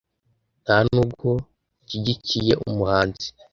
nta n’ubwo nshyigikiye umuhanzi